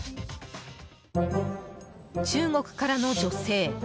中国からの女性。